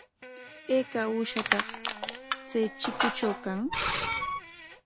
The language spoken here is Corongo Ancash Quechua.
¿Ayka uushataq chay chikutraw kan?